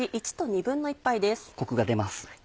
コクが出ます。